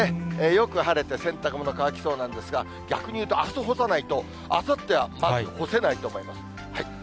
よく晴れて、洗濯物が乾きそうなんですが、逆に言うとあす干さないと、あさっては干せないと思います。